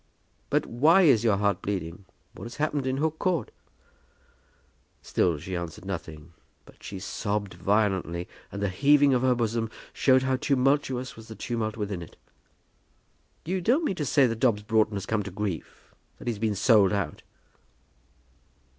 "But why is your heart bleeding? What has happened in Hook Court?" Still she answered nothing, but she sobbed violently and the heaving of her bosom showed how tumultuous was the tumult within it. "You don't mean to say that Dobbs Broughton has come to grief; that he's to be sold out?"